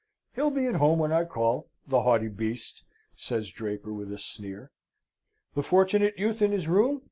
"He'll be at home when I call, the haughty beast!" says Draper, with a sneer. "The Fortunate Youth in his room?"